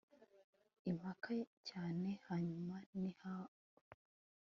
impaka cyane, hanyuma ni ahawe